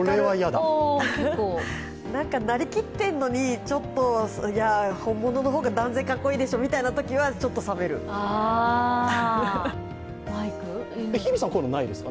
なりきってるのに、本物の方が断然かっこいいでしょみたいなときは日比さん、こういうのないですか。